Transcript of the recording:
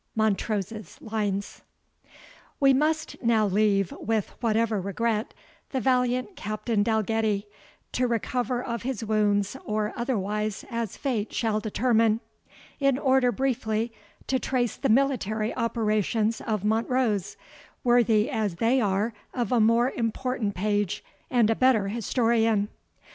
MONTROSE'S LINES. We must now leave, with whatever regret, the valiant Captain Dalgetty, to recover of his wounds or otherwise as fate shall determine, in order briefly to trace the military operations of Montrose, worthy as they are of a more important page, and a better historian.